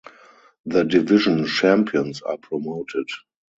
The division champions are promoted.